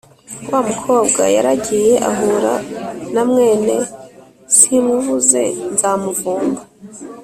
wa mukobwa yaragiye ahura na mwene… simuvuze nzamuvumba.